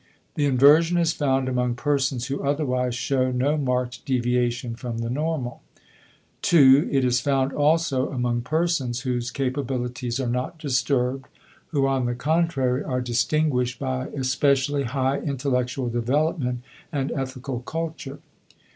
The inversion is found among persons who otherwise show no marked deviation from the normal. 2. It is found also among persons whose capabilities are not disturbed, who on the contrary are distinguished by especially high intellectual development and ethical culture.